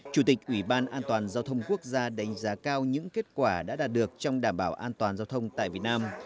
chủ tịch ủy ban an toàn giao thông quốc gia đánh giá cao những kết quả đã đạt được trong đảm bảo an toàn giao thông tại việt nam